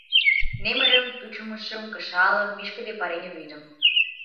Немырым, пучымышым, кышалым, вишкыде пареҥге вӱдым.